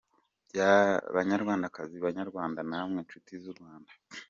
Banyarwandakazi, Banyarwanda namwe nshuti z’u Rwanda,